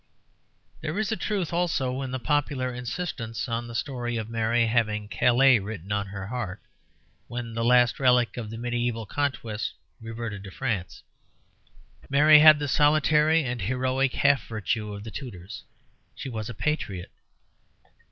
There is a truth also in the popular insistence on the story of Mary having "Calais" written on her heart, when the last relic of the mediæval conquests reverted to France. Mary had the solitary and heroic half virtue of the Tudors: she was a patriot.